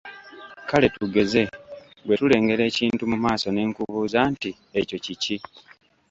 Kale tugeze; bwe tulengera ekintu mu maaso ne nkubuuza nti: ekyo kiki?